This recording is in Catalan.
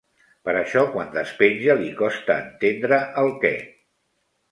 Per això quan despenja li costa entendre el què.